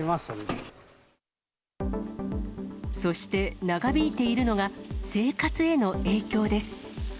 そして、長引いているのが、生活への影響です。